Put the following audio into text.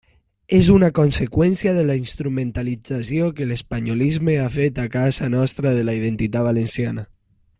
És una conseqüència de la instrumentalització que l'espanyolisme ha fet a casa nostra de la identitat valenciana.